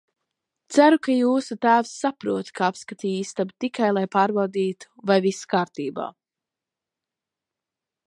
Ceru, ka jūsu tēvs saprot, ka apskatīju istabu tikai, lai pārbaudītu, vai viss kārtībā.